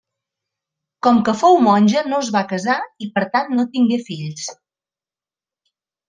Com que fou monja no es va casar i per tant no tingué fills.